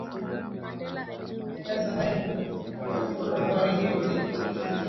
edda sanga ni mtangazaji mkongwe wa redio nchini tanzania